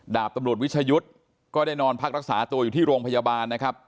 ดาบตำรวจวิชยุทธ์ก็ได้นอนพักรักษาตัวอยู่ที่โรงพยาบาลนะครับ